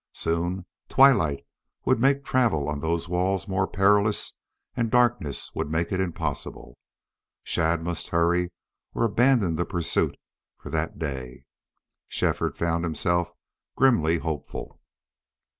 Soon twilight would make travel on those walls more perilous and darkness would make it impossible. Shadd must hurry or abandon the pursuit for that day. Shefford found himself grimly hopeful.